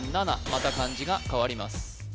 また漢字が替わります